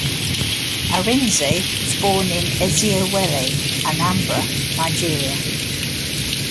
Arinze was born in Eziowelle, Anambra, Nigeria.